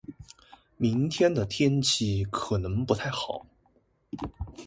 明天的天气可能不太好。